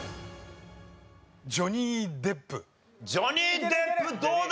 ジョニー・デップどうだ？